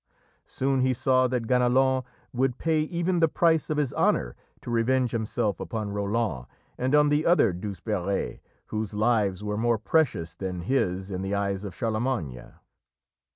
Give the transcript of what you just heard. Soon he saw that Ganelon would pay even the price of his honour to revenge himself upon Roland and on the other Douzeperes whose lives were more precious than his in the eyes of Charlemagne.